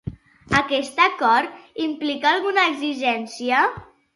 Aquest acord, implica alguna exigència?